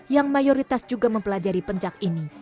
yang mayoritas juga mempelajari pencak ini